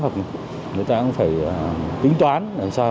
người ta cũng phải tính toán